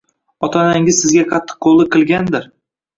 Ota-onangiz sizga qattiqqo‘lliq qilgandir.